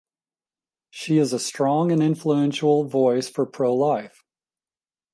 She is a strong and influential voice for "pro-life".